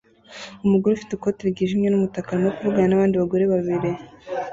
Umugore ufite ikote ryijimye n'umutaka arimo kuvugana nabandi bagore babiri